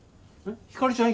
ひかりちゃん